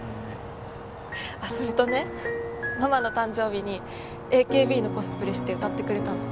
あっそれとねママの誕生日にＡＫＢのコスプレして歌ってくれたの。